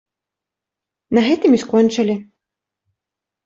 На гэтым і скончылі.